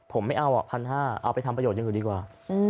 ผมไม่เอาอ่ะพันห้าเอาไปทำประโยชน์ยังอยู่ดีกว่า